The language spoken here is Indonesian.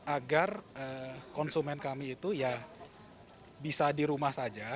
agar konsumen kami itu ya bisa di rumah saja